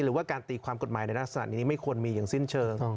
หรือว่าการตีความกฎหมายในลักษณะนี้ไม่ควรมีอย่างสิ้นเชิง